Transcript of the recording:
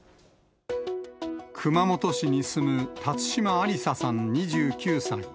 熊本市に住む辰島ありささん２９歳。